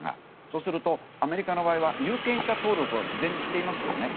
そうすると、アメリカの場合は有権者登録を事前にしていますよね。